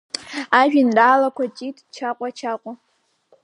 Ажәеинраалақәа Џьит, Чаҟәа-чаҟәа!